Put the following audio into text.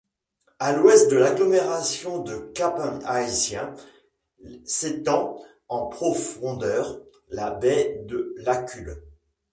À l'ouest de l'agglomération de Cap-Haïtien s'étend en profondeur la baie de l'Acul.